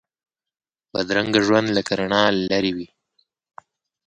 بدرنګه ژوند له رڼا لرې وي